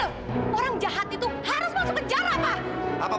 orang jahat itu harus masuk penjara pak